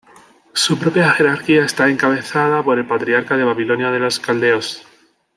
Su propia jerarquía está encabezada por el "patriarca de Babilonia de los caldeos".